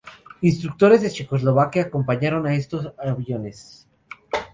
Instructores de Checoslovaquia acompañaron a estos aviones.